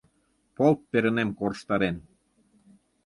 Полт перынем корштарен.